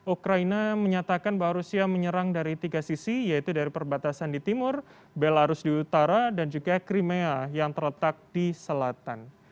ukraina menyatakan bahwa rusia menyerang dari tiga sisi yaitu dari perbatasan di timur belarus di utara dan juga crimea yang terletak di selatan